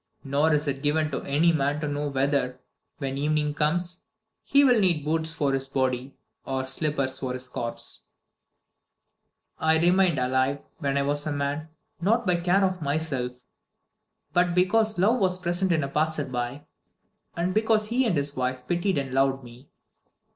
Nor is it given to any man to know whether, when evening comes, he will need boots for his body or slippers for his corpse. "I remained alive when I was a man, not by care of myself, but because love was present in a passer by, and because he and his wife pitied and loved me.